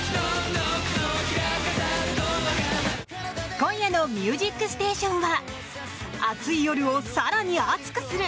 今夜の「ミュージックステーション」は暑い夜を、更に熱くする！